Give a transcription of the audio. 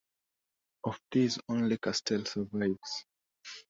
Of these, only Castell survives.